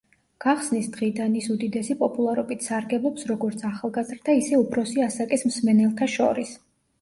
გახსნის დღიდან ის უდიდესი პოპულარობით სარგებლობს როგორც ახალგაზრდა, ისე უფროსი ასაკის მსმენელთა შორის.